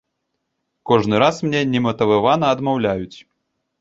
Кожны раз мне нематывавана адмаўляюць.